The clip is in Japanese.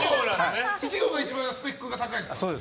１号が１番スペックが高いんですか？